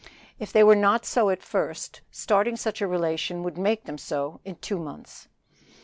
If they were not so at first starting such a relation would make them so in two months.